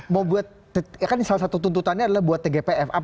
mau buat ya kan salah satu tuntutannya adalah buat tgpf